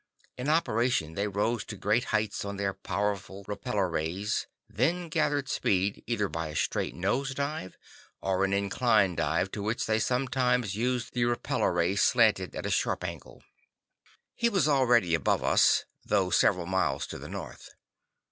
In operation they rose to great heights on their powerful repellor rays, then gathered speed either by a straight nose dive, or an inclined dive in which they sometimes used the repellor ray slanted at a sharp angle. He was already above us, though several miles to the north.